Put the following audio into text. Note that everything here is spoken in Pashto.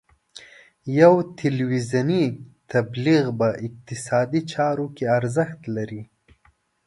یو تلویزیوني تبلیغ په اقتصادي چارو کې ارزښت لري.